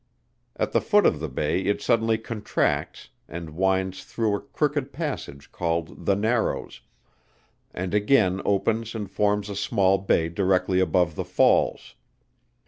At the foot of the bay it suddenly contracts, and winds through a crooked passage called the narrows, and again opens and forms a small bay directly above the falls.